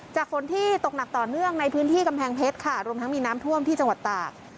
ฝนที่ตกหนักต่อเนื่องในพื้นที่กำแพงเพชรค่ะรวมทั้งมีน้ำท่วมที่จังหวัดตาก